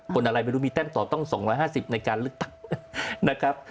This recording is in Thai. คนอะไรไม่รู้มีแต้มต่อต้อง๒๕๐ในการเลือกตั้งนะครับ